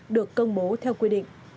được công bố theo quy định